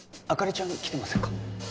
灯ちゃん来てませんか？